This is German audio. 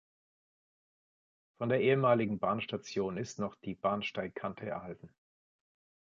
Von der ehemaligen Bahnstation ist noch die Bahnsteigkante erhalten.